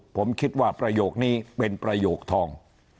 ผมคิดว่าประโยคนี้เป็นประโยคทอง